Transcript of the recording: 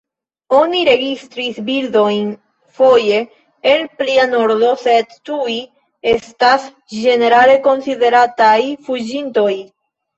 Oni registris birdojn foje el plia nordo, sed tiuj estas ĝenerale konsiderataj fuĝintoj.